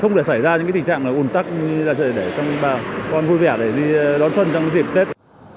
không để xảy ra những tình trạng ồn tắc như là dạy để cho bà con vui vẻ để đi đón xuân trong dịp tết